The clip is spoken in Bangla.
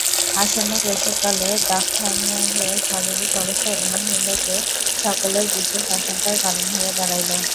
আসন্নপ্রসবকালে দাক্ষায়ণীর শারীরিক অবস্থা এমন হইল যে, সকলের বিশেষ আশঙ্কার কারণ হইয়া দাঁড়াইল।